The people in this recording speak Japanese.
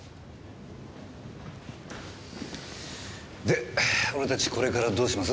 で俺たちこれからどうします？